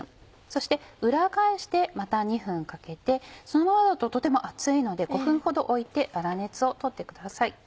そして裏返してまた２分かけてそのままだととても熱いので５分ほど置いて粗熱をとってください。